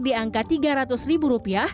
di angka rp tiga ratus